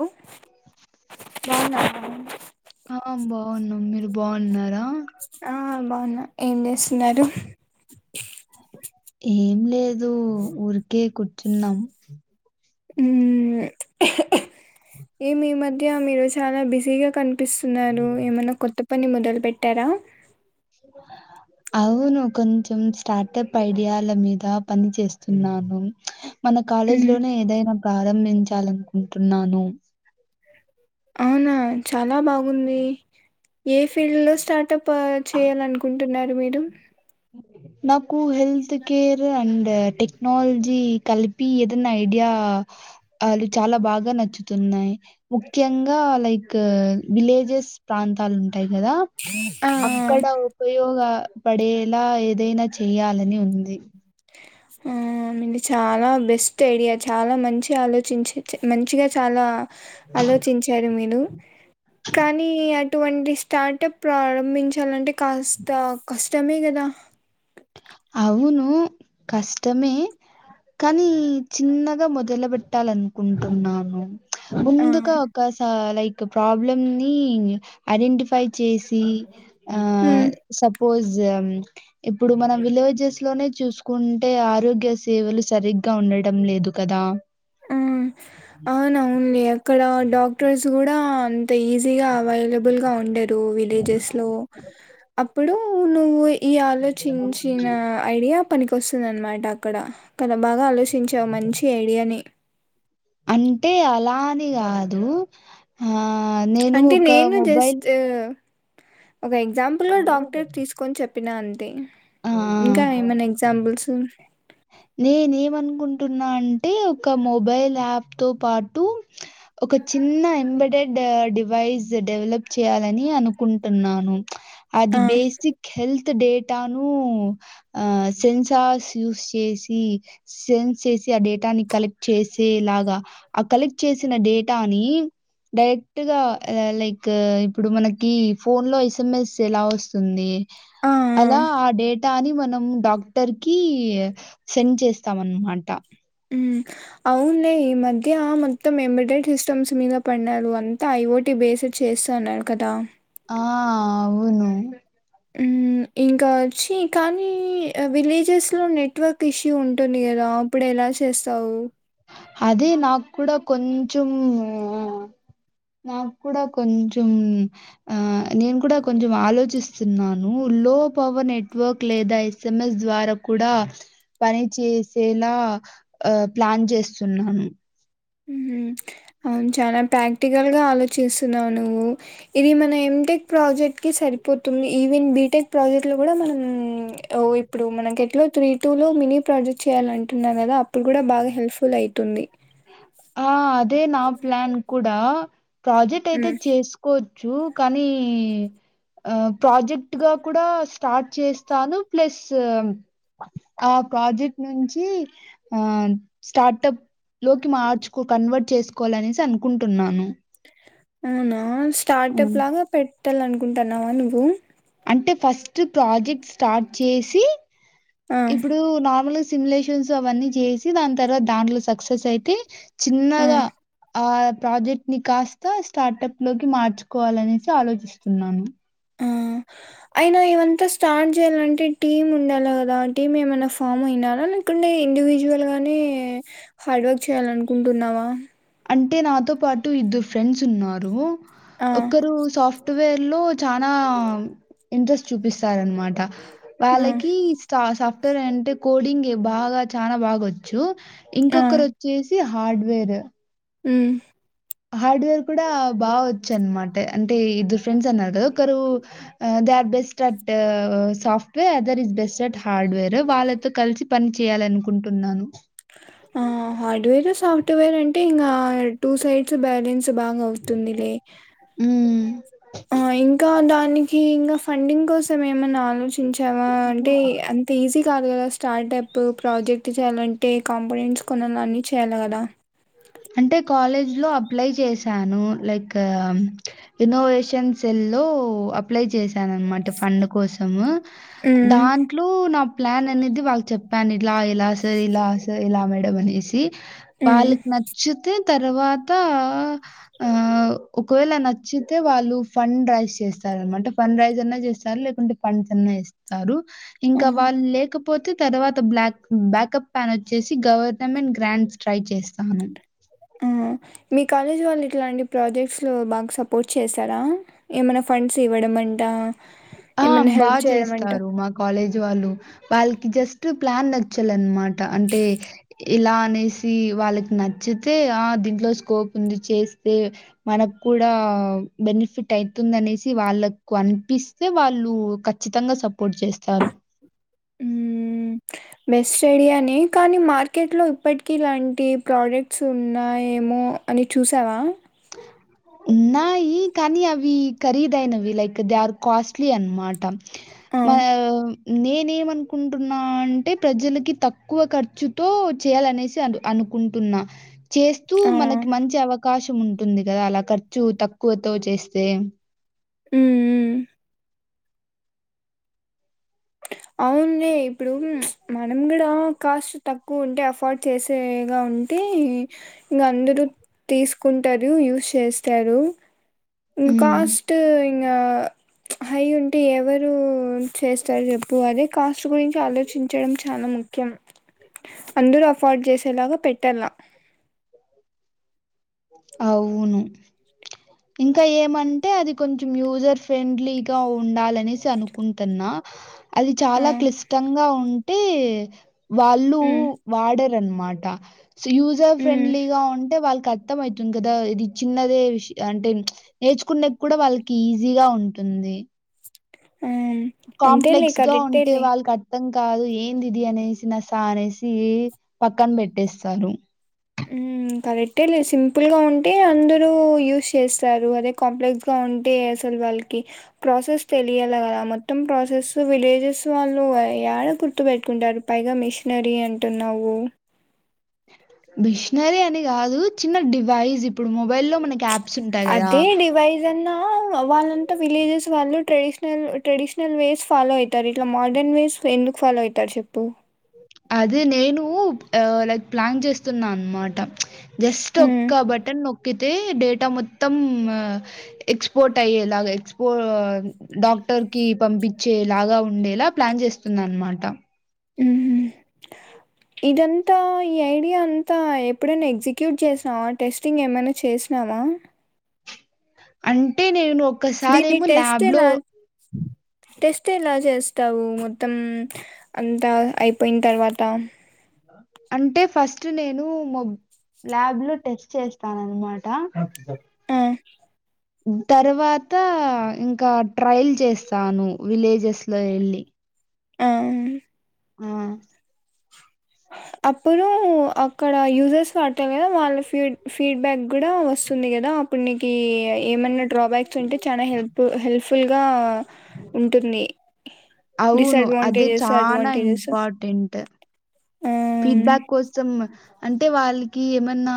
లో బాగున్నారా బాగున్నం మీరు బాగున్నారా? ఆ బాగున్నా ఏం చేస్తున్నారు? ఏం లేదు ఊరికే కూర్చున్నం మ్మ్ఁ ఏం ఈ మీ మధ్య మీరు చాలా బిజీగా కను స్తున్నారు ఏమైన్నా కొత్త పని మొదలు పెట్టారా? [inaudible] అవును కొంచెం స్టార్టప్ ఐడియాల మీద పని చేస్తున్నాను మన కాలేజ్ మ్మ్ లోనే ఏదైనా ప్రారంభించాలనుకుంటున్నాను అవునా చాలా బాగుంది ఏ ఫీల్డ్ లో స్టార్టప్ చేయాలనుకుంటున్నారు మీరు నాకు హెల్త్ కేర్ అండ్ టెక్నాల్జీ కలిపి ఏదన్నా ఐడియా ఆళు చాలా బాగా నచ్చుతున్నయి ముఖ్యంగా లైక్ విలేజెస్ ప్రాంతాలు ఉంటాయి కదా ఆ అక్కడ ఉపయోగ పడేలా ఏదైనా చేయాలని ఉంది మ్మ్ మింట్ చాలా బెస్ట్ ఐడియా చాలా మంచి ఆలోచించే మంచిగా చాలా ఆలోచించారు మీరు కానీ అ టువంటి స్టార్టప్ ప్రారంభించాలంటే కాస్త కష్టమే కదా అవును కష్టమే కానీ చిన్నగా మొదల పెట్టాలనుకుంటున్నాను ఆ ముందుక ఒక స లైక్ ఒక ప్రాబ్లమ్ నీ ఐడెంటిఫై చేసి ఆ మ్మ్ సపోస్ ఇప్పుడు మనం విలేజెస్ లోనే చూసుకుంటే ఆరోగ్య సేవలు సరిగ్గా ఉండటం లేదు కదా ఆ అవునవునులే అక్కడ డాక్టర్స్ కూడా అంత ఈజీగా అవైలబుల్ గా ఉండరు విలేజెస్ లో అప్పుడు నువ్వు ఈ ఆలోచించిన ఐడియా పనికి వస్తుంది అనమాట అక్కడ, కదా బాగా ఆలోచ చించా మంచి ఐడియాని అంటే అలా అని కాదు, ఆ ఆ నేను అంటే ఒక నేను మొబైల్ జస్ట్ ఒక ఎక్సమ్ప్లె గా డాక్టర్ తీసుకొని చెప్పినా అంతే ఆ ఇంకా ఏమైనా ఎగ్జాంపుల్స్? నేనెం అనుకుం టున్నా అంటే ఒక మొబైల్ యాప్ తో పాటు ఒక చిన్న ఎబడెడ్ డివైస్ డెవలప్ చేయాలని అనుకుంటున్నాను అది ఆ! బేసిక్ హెల్త్ డేటా ఆ సెన్సార్ యూస్ చేసి సెన్స్ చేసి ఆ డేటా ని కలెక్ట్ చేసి సేలాగా, ఆ కలెక్ట్ చేసిన డేటాని డైరెక్ట్ గా ఆ లైక్ ఇప్పుడు మనకి ఫోన్ లో ఎస్ఎంఎస్ ఎలా వస్తుంది ఆ! ఆ! అలా ఆ డేటాని మనం డాక్టర్ కి సెండ్ చేస్తాం అన్నమాట మ్మ్ అవున్లే ఈ మధ్య మొత్తం ఎంబడేడ్ సిస్టమ్స్ మీద పడ్నారు అంతా ఐ ఓటి బేసిడ్ చేస్తఉన్నాడు కదా ఆ అవును హ్మ్మ్ ఇంకా వచ్చి కానీ విలేజెస్ లో నెట్వర్క్ ఇష్యూ ఉంటుంది కదా అప్పుడు ఎలా చేస్తావు అదే నాకు కూడా కొంచమూ నాకు కూడా కొంచెం, ఆ నేను కూడా కొంచెం ఆలోచిస్తున్నాను లో పవర్ నెట్వర్క్ లేదా ఎస్ఎంఎస్ ద్వారా కూడా పని చేసేలా ఆ ప్లాన్ చేస్తున్నాం మ్మ్ అవును చాలా ప్రాక్టికల్ గా ఆలోచిస్తున్నావు నువ్వు ఇది మన ఏం ఎం టెక్ ప్రాజెక్ట్ కి సరిపోతుంది, ఈవెన్ బీ టెక్ ప్రాజెక్ట్ లో కూడా మనం ఓ ఇప్పుడు మన ఎట్లో త్రీ టూ లో మినీ ప్రాజెక్ట్ చేయాల అంటున్నార్ కదా అప్పుడు కూడా బాగా హెల్ప్ఫుల్ అయితుంది ఆ అదే నా ప్లాన్ కూడా ప్రాజెక్ట్ అయితే హ్మ్. చేసుకో చ్చు, కానీ ఆ ప్రాజెక్ట్ గా కూడా స్టార్ట్ చేస్తాను ప్లస్ ఆ ప్రాజెక్ట్ నుంచి ఆ స్టార్ట్ప్ లోకి మార్చుకో కన్వర్ట్ చేసుకోవాలనేసి అనుకుంటున్నాను అవునా స్టార్టప్ ఉమ్. లాగా పెట్టాలనుకుంటున్నావా నువ్వు అంటే ఫస్ట్ ప్రాజెక్ట్ స్టార్ట్ చేసి ఆ! ఇప్పుడు నర్మల్గ సిమలేషన్స్ అవన్నీ చేసి దాని తర్వాత దాంట్లో సక్సెస్ అయితే ఆ! చిన్నగా ఆ ప్రాజెక్ట్ ని కాస్త స్టార్టప్ లోకి మార్చుకోవాలనేసి ఆలోచిస్తున్నాను ఆ అయినా ఇవంతా స్టార్ట్ చేయాలంటే టీమ్ ఉండాల కదా టీమ్ ఏమైనా ఫామ్ అయినారా లేకుండే ఇండివిజువల్ గానే హార్డ్ వర్క్ చేయాల అనుకుంటున్నావా అంటే నాతో పాటు ఇద్దరు ఫ్రెండ్స్ ఉన్నారు ఆ! ఒకరు సాఫ్ట్ ఫ్ట్ వేర్ లో చానా ఇంట్రెస్ట్ చూపిస్తారనమాట హ్మ్. వాళ్ళకి స్ట సాఫ్ట్వేర్ అంటే కోడింగె బాగా చానా బాగొచ్చు ఆ! ఇంకొకరు వచ్చేసి హార్డ్వేర్ హ్మ్ హార్డ్వేర్ కూడా బా వచ్చు అనమాట అంటే ఇద్దరు ఫ్రెండ్స్ అన్నారు కదా ఒకరు ఆ are best at soft wear other is best at hardware వాళ్ళతో కలిసి పని చేయాలని అనుకుంటున్నాను ఆ హార్డ్వేర్ సాఫ్ట్వేర్ అంటే ఇంకా టూ సైడ్స్ బ్యాలెన్స్ [unintelligible] హ్మ్. ఆ ఇంకా దానికి ఇంకా ఫండింగ్ కోసం ఏమన్నా ఆలోచిం చావా అంటే అంత ఈజీ కాదు కదా స్టార్ట్ప్ ప్రాజెక్ట్ చేయాలంటే కంపనెంట్స్ కొన్నా అన్ని చేయాలి కదా అంటే కాలేజ్ లో అప్లై చేశాను లైక్ ఇన్నోవేషన్స్ సెల్ లో అప్లై చేశానునమాట ఫండ్ కోసం హ్మ్. దాంట్లో నా ప్లాన్ అనేది వాళ్ళ చెప్పాను ఇలా ఇలా సర్ ఇలా సర్ ఇలా మేడ అనేసి హ్మ్. వాళ్ళ చెప్పిన తర్వాత ఆ ఒకవేళ నచ్చితే వాళ్ళు ఫండ్ నుంచి ట్రై చేస్తారనమాంటే ఫన్ రైజ్ అన్నా చేస్తారు లేకుంటే ఫండ్స్ అన్నా ఇస్తారు ఇంకా ఆహా! వాళ్ళ లేకపో పోతే తర్వాత బ్లాక్ బ్యాకప్ ప్యాన్ వచ్చేసి గవర్నమెంట్ గ్రాండ్ స్ట్రై చేస్తా అవును ఆ మీ కాలేజ్ వాళ్ళు ఇట్లాంటి ప్రాజెక్ట్స్ లో బాగా సపోర్ట్ చేస్తారా ఏమైనా ఫండ్స్ ఇవ పడమంటా ఆ బాగా చేస్తారు మా కాలేజ్ వాళ్ళు వాళ్ళకి జస్ట్ ప్లాన్ నచ్చాలనమాట అంటే ఇలా అనేసి వాళ్ళకి నచ్చితే ఆ దీంట్లో స్కోప్ ఉంది చేస్తే మన కూడా బెనిఫిట్ అవుతుందినేసి వాళ్ళకు అనిపిస్త అే వాళ్ళు ఖచ్చితంగా సపోర్ట్ చేస్తారు మ్మ్ బెస్ట్ ఏరియానే కానీ మార్కెట్ లో ఇప్పటికి ఇలాంటి ప్రోడక్ట్స్ ఉన్నా ఏమో ఓ అని చూసావా ఉన్నాయి కానీ అవి ఖరీదయిైనవి లైక్ దే ఆర్ కాస్ట్లీ అనమాట ఆ మా నేనేమనుకుంటున్నా అంటే ప్రజలకి తక్కువ ఖర్చుతో చేయాలనేసి అ అను కుంటున్నా చేస్తూ ఆ మనకి మంచి అవకాశం ఉంటుంది కదా అలా ఖర్చు తక్కువతో చేస్తే హ్మ్ అవున్లే ఇప్పుడు మనం కూడా కాస్ట్ తక్కువ ఉంటే అఫోర్డ్ చేసేగా ఉంటే ఇంకా అందరూ తీసుకుంటారు యూస్ చేస్తారు ఇంన్ హ్మ్ కాస్ట్ ఇంగ హై ఉంటే ఎవరు చేస్తారు చెప్పు అదే కాస్ట్ గురించి ఆలోచించడం చాలా ముఖ్యం ఖ్యం అందరూ అఫోర్డ్ చేసేలాగా పెట్టలా అవును ఇంకా ఏమంటే అది కొంచెం యూజర్ ఫ్రెండ్లీగా ఉండాలనేసి అనుకుంటున్నా అది ఆ చాలా క్లిష్టంగా ఉంటే వాళ్ళు ఉమ్, వాడరనమాట సో యూజర్ ఉమ్, ఫ్రెండ్లీగా ఉంటే వాళ్ళకి అవుతుంది కదా ఇది చిన్నదే విష అంటే నేర్చుకునే కూడా వాళ్ళకి ఈజీగా ఉంటుంది ఉమ్. అంతేలే కాంప్లెక్స్ గా ఉంటే కరెక్టేలే వాళ్ళకి అర్థంంగా కాదు ఏందిది అనేసి నాస అనేసి పక్కన పెట్టేస్తారు హ్మ్ కరెక్టేలె సింపుల్ గా ఉంటే అందరూ యూస్్ చేస్తారు అదే కాంప్లెక్స్ గా ఉంటే అస వాళ్ళకి ప్రాసెస్ తెలియాల కల మొత్తం ప్రాసెస్ విలేజెస్ వాళ్ళు ఏడ గుర్తు పెట్టుకుంటారు పైగా మిషనరీ అంటున్నావు మిషనరీ అని కాదు చిన్న డివైస్ ఇప్పుడు మొబైల్ లో మనకు యాప్ అదే డివైజ్ అన్నా ఆ వాళ్ళంతా విలేజెస్ వాళ్ళు ట్రెడిషనల్ ట్రెడిషనల్ వేస్ ఫాలో అవుతారు ఇట్లా మోడర్న్ వేస్ సో ఎందుకు ఫాలో అయితాడు చెప్పు అదే నేను ఆ లైక్ ప్లాన్ చేస్తున్నా అన్నమాట జస్ట్ ఉమ్ ఒక్క బటన్ నో కేతే డేటా మొత్తం ఎక్స్పోర్ట్ అయ్యేలాగా ఎక్స్పో డాగ్ డాక్టర్ కి పంపించేలాగా ఉండేలా ప్లాన్ చేస్తుంది అనమాట ఉహు ఇదంతా ఈ ఐడియా అంతా ఎప్పుడైనా ఎగ్జిక్యూట్ చేసినావా టెస్టింగ్ ఏమైనా చేసినావా ఆ అంటే నేను దీన్ని ఒక్కసారేమో టెస్ట్ ల్యాబ్ లో ఎలా టెస్ట్ ఎలా చేస్తావు మొత్తం అంత అయిపోయిన్ తరువాత అంటే ఫస్ట్ నేను మొబ్ ల్యాబ్ లో టెస్ట్ చేస్తాను అన్ మాట తనకి తర్వాత ఇంకా ట్రయల్ చేస్తాను విలేజెస్ లో వెళ్ళి ఆమ్ ఆ అప్పుడు అక్కడ యూజర్స్ వాడుతారు కదా వాళ్ళ ఫీడ్ ఫీడ్బ్యాక్ కూడా వస్తుంది కదా అప్పుడు నీకు ఈ ఏమన్నట్ డ్రాబ్యాక్స్ ఉంటే చానా హెల్ప్ హెల్ప్ఫుల్ గా ఉంటుంది అవును. అదే డిసడ్వాంటేజెస్ చాలా అడ్వాంటేజెస్ ఇంపార్టెంట్. ఆ ఫీడ్బ్యాక్ కోసం అంటే వాళ్ళకి ఏమన్నా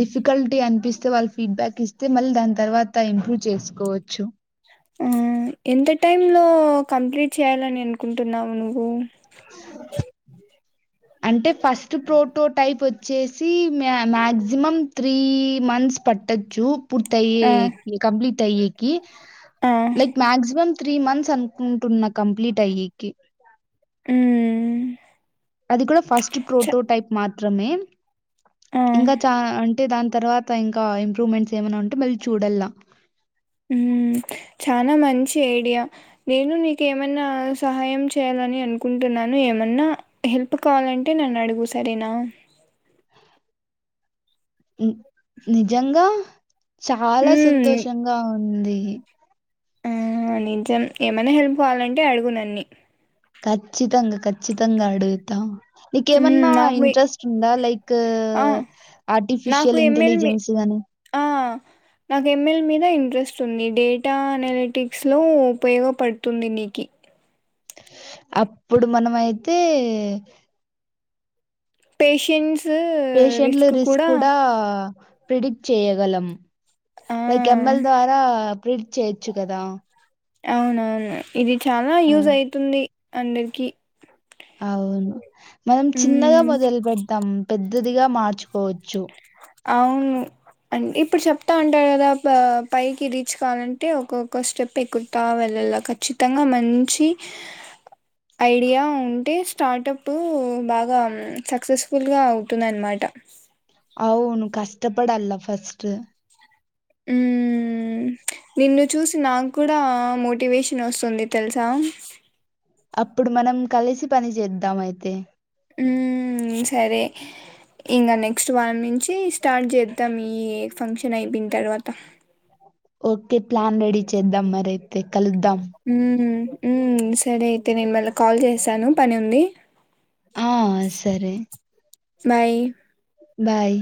డిఫికల్టీ అనిపిసు తో వాళ్ళు ఫీడ్బ్యాక్ ఇస్తే మళ్ళీ దాని తర్వాత ఇంప్రూవ్ చేసుకోవచ్చు ఆ ఎంత టైమ్ లో కంప్లీట్ చేయాలని అనుకుంటున్నావు నువ్వు అంటే ఫస్ట్ ప్రోటో టైప్ వ చేసి మ్యా మ్యాక్సిమం త్రీ మంత్స్ పట్టచ్చు పూర్తి అయ్యే ఆ, కంప్లీట్ అయ్యేకి ఆ, లైక్ మాక్సిమమ్ త్రీ మంత్స్ అనుకుంటున్నా కంప్లీట్ అయ్యేకి ఉ అది కూడా ఫస్ట్ ప్రోటో టైప్ మాత్రమే ఆ, ఇంకా చానా అన్ అంటే దాని తర్వాత ఇంకా ఇంప్రూవ్మెంట్స్ ఏమన్నా ఉంటే మళ్ళీ చూడల్ల ఉ చానా మంచి ఐడియా నేను నీకు ఏమన్నా సహాయం చేయాలని అనుకుంటున్నాను ను ఏమన్నా హెల్ప్ కావాలంటే నన్ను అడుగు సరేనా నిజంగా చాలా హ్మ్. సంతోషంగా ఉం ఉంది ఇహి ఆ నిజం ఏమన్నా హెల్ప్ కావాలంటే అడుగునన్ని కచ్చితంగా కన్ చ్చితంగా అడుగుత హ్మ్. నీకేమన్నా నాకు ఎ ఇంట్రెస్ట్ ఉందా లైక్ ఆ! ఆటి నాకు ఆఫిషియల్ ఎంఎల్ మీ ఇంటెలిజెన్స్ గాని ఆ నాకు ఏం దా ఇంట్రెస్ట్ ఉంది డేటా అనాలిటిక్స్ లో ఉపయోగపడుతుంది నీకి అప్పుడు మనము అయితే పేషెంట్స్ పేషెంట్లు రిస్క్ కూడా ప్రిడిక్ట్ చేయగలం ఆ! లైక్ ఎమ్మెల్ ద్వారా ప్రిడిక్ట్ చేయొచ్చు కదా అవునవును ఇది చాలా ఆ! యూజ్ అయితుంది అందరికి అవును మనం చిన్నగా హ్మ్. మొదలు పెడతాం పెద్దదిగా మార్చుకోవచ్చు అవును అ ఇప్పుడు చెప్తా అం టీకదా పైకి రీచ్ కావాలంటే ఒక్కొక్క స్టెప్ ఎక్కుతా వెళ్ళాలా ఖచ్చితంగా మంచి నుంచి ఐడియా ఉంటే స్టార్టప్ బాగా సక్సెస్ఫుల్ గా అవుతుంద అనమాట [unintelligible] అవును కష్టపడాల ఫస్ట్ హ్మ్ మ్ నిన్ను చూసి నాకు కూడా మోటివేషన్ వస్తుంది తెలుసా అప్పుడు మనం కలిసి పని చేద్దాం అయితే హ్మ్ సరే ఇంకా నెక్స్ట్ వారం నుంచి స్టార్ట్ చేద్దాం ఈ ఫంక్షన్ అయిపోయిన తర్వాత ఓకే ప్లాన్ రెడీ చేద్దాం మరి అయితే హ్మ్ మ్ సరే అయితే నేను మళ్ళ కాల్ చేసాను పని ఉంది ఆ సరే బయ్ బాయ్